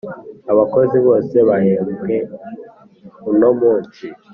abakozi bose bahembwe uno munsi